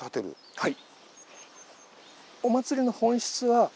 はい。